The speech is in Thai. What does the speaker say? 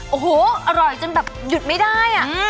โอ้โหอร่อยจนแบบหยุดไม่ได้